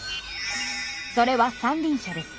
それは三輪車です。